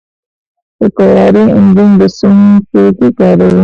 د طیارې انجن د سونګ توکي کاروي.